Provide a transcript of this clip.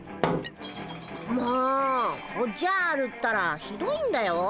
もうおっじゃるったらひどいんだよ。